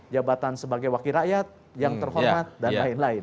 jabatan sebagai wakil rakyat yang terhormat dan lain lain